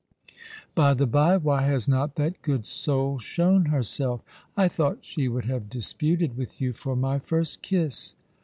By the by, why has not that good soul shown herself? I thought she would have disputed with you for my first kiss."